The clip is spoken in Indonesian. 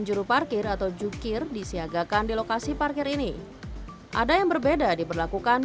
juru parkir atau jukir disiagakan di lokasi parkir ini ada yang berbeda diberlakukan